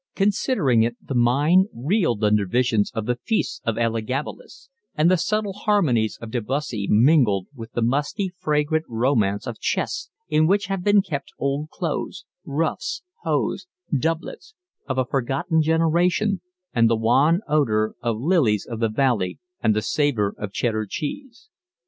Considering it, the mind reeled under visions of the feasts of Elagabalus; and the subtle harmonies of Debussy mingled with the musty, fragrant romance of chests in which have been kept old clothes, ruffs, hose, doublets, of a forgotten generation, and the wan odour of lilies of the valley and the savour of Cheddar cheese.